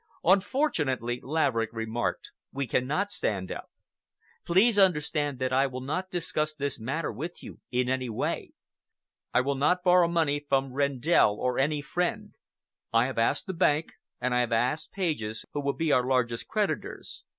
"Unfortunately," Laverick remarked, "we cannot stand up. Please understand that I will not discuss this matter with you in any way. I will not borrow money from Rendell or any friend. I have asked the bank and I have asked Pages, who will be our largest creditors.